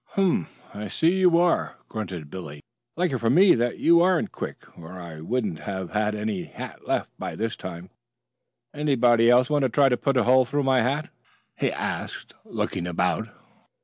"Humph! I see you are," grunted Billy. "Lucky for me that you aren't quick or I wouldn't have had any hat left by this time. Anybody else want to try to put a hole through my hat?" he asked looking about.